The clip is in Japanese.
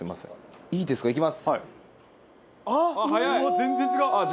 全然違う！